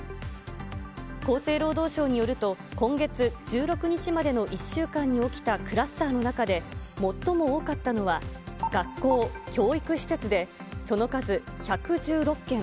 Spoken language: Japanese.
厚生労働省によると、今月１６日までの１週間に起きたクラスターの中で最も多かったのは、学校・教育施設で、その数１１６件。